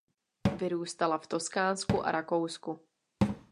Vyrůstala v Toskánsku a Rakousku.